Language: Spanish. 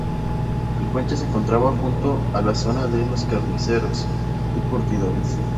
El puente se encontraba junto a la zona de los carniceros y curtidores.